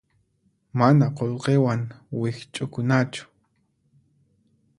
Mana qullqiwan wikch'ukunachu.